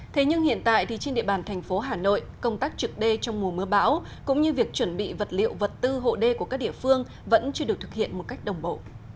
thế nhưng hiện tại thì trên địa bàn thành phố hà nội công tác trực đê trong mùa mưa bão cũng như việc chuẩn bị vật liệu vật tư hộ đê của các địa phương vẫn chưa được thực hiện một cách đồng bộ